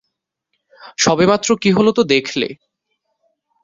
সবেমাত্র কী হলো তো দেখলে।